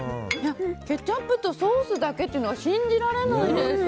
ケチャップとソースだけというのは信じられないです。